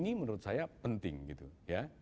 ini menurut saya penting gitu ya